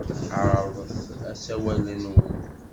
Ɛerḍet asawal-nwen.